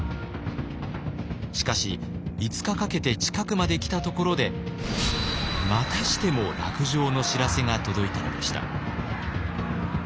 しかし５日かけて近くまで来たところでまたしても落城の知らせが届いたのでした。